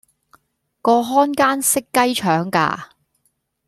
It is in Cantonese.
個看更識雞腸㗎